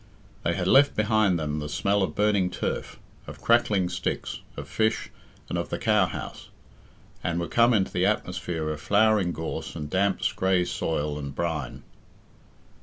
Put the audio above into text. They had left behind them the smell of burning turf, of crackling sticks, of fish, and of the cowhouse, and were come into the atmosphere of flowering gorse and damp scraa soil and brine.